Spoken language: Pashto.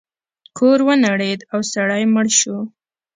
کور ونړید او سړی مړ شو.